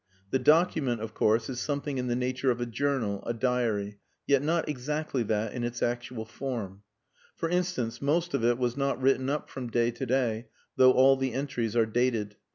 The document, of course, is something in the nature of a journal, a diary, yet not exactly that in its actual form. For instance, most of it was not written up from day to day, though all the entries are dated.